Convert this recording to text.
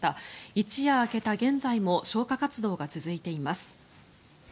一夜明けた現在も消火活動が続いています。